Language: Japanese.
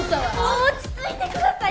落ち着いてください